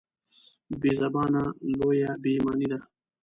بېزباني لویه بېايماني ده.